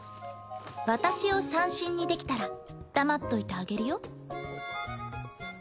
私を三振にできたら黙っといてあげるよ。